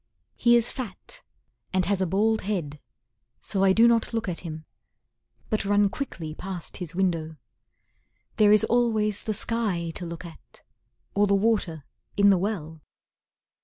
He is fat and has a bald head, So I do not look at him, But run quickly past his window. There is always the sky to look at, Or the water in the well!